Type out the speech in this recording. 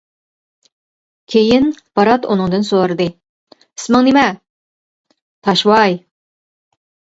كېيىن بارات ئۇنىڭدىن سورىدى:-ئىسمىڭ نېمە؟ -تاشۋاي.